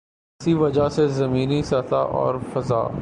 اسی وجہ سے زمینی سطح اور فضا